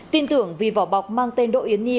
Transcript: tin tưởng vì vỏ bọc mang tên đỗ yến nhi